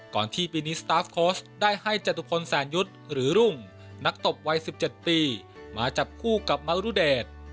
ที่ปีนี้สตาฟโค้ชได้ให้จตุพลแสนยุทธ์หรือรุ่งนักตบวัย๑๗ปีมาจับคู่กับมรุเดช